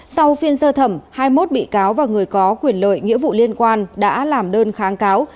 sau phiên sơ thẩm hai mươi một bị cáo và người có quyền lợi nghĩa vụ liên quan đã làm đơn kháng cáo